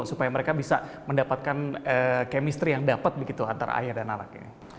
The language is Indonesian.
supaya mereka bisa mendapatkan kemisi yang dapat antara ayah dan anak